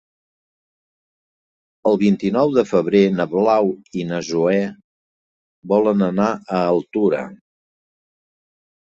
El vint-i-nou de febrer na Blau i na Zoè volen anar a Altura.